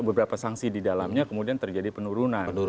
beberapa sanksi di dalamnya kemudian terjadi penurunan